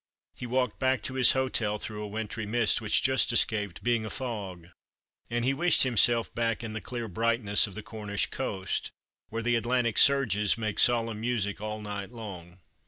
He walked back to his hotel through a wintry mist which just escaped being a fog, and he wished him self back in the clear brightness of the Cornish coast, where the Atlantic surges make solemn music all night long.